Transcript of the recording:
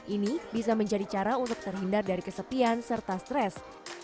ini bisa menjadi cara untuk terhindar dari kesepian serta stres